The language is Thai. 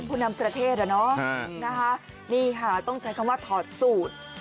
ผู้นำประเทศอะเนาะนะคะนี่ค่ะต้องใช้คำว่าถอดสูตร